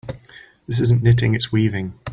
This isn't knitting, its weaving.